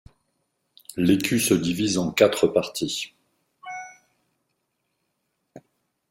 L'écu se divise en quatre parties.